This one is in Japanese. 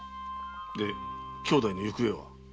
で兄弟の行方は？